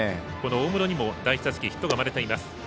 大室にも第１打席ヒットが生まれています。